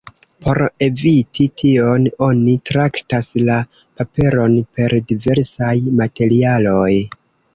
Por eviti tion, oni traktas la paperon per diversaj materialoj.